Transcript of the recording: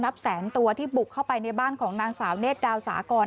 นับแสนตัวที่บุกเข้าไปในบ้านของนางสาวเนธดาวสากร